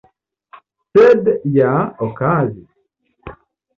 Sed ja okazis!